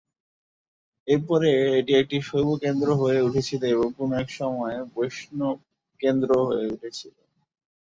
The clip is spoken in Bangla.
এরপরে এটি একটি শৈব কেন্দ্র হয়ে উঠেছিল এবং কোনও এক সময়ে বৈষ্ণব কেন্দ্রও হয়ে উঠেছিল।